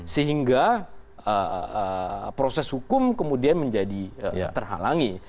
sehingga proses hukum kemudian menjadi terhalangi